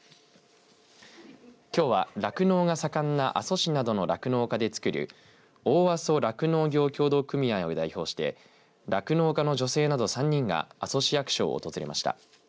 きょうは酪農が盛んな阿蘇市などの酪農家で作る大阿蘇酪農業協同組合を代表して酪農家の女性など３人が阿蘇市役所を訪れました。